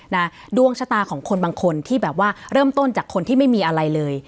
นะดวงชะตาของคนบางคนที่แบบว่าเริ่มต้นจากคนที่ไม่มีอะไรเลย